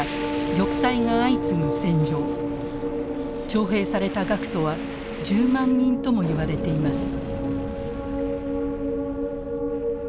徴兵された学徒は１０万人ともいわれています。